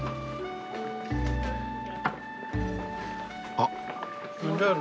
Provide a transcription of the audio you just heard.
あっ！